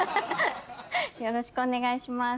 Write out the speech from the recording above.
よろしくお願いします。